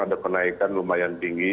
ada penaikan lumayan tinggi